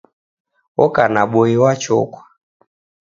Oka na boi wa chokwa